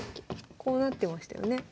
こうなってましたよね。